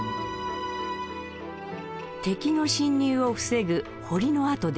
敵の侵入を防ぐ堀の跡です。